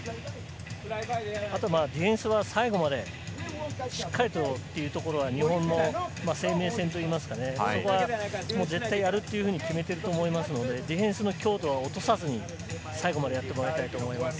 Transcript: あとはディフェンスが最後まで、しっかりというところが日本の生命線というか、絶対にやると決めていると思いますので、ディフェンスの強度を落とさずに最後までやってもらいたいと思います。